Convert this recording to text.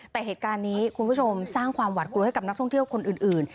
แต่เหตุการณ์นี้คุณผู้ชมสร้างความหวัดกลัวให้กับนักท่องเที่ยวคนอื่น